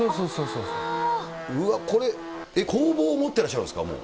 うわっ、これ、工房を持ってらっしゃるんですか、もう。